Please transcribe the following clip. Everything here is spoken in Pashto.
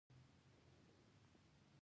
د ټولګټو وزارت سړکونه څنګه ساتي؟